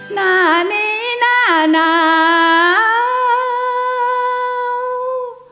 หน้านี้หน้าหนาว